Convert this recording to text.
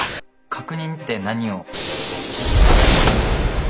確認って何を？